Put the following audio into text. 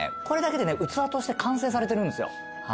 これだけでね器として完成されてるんですよ。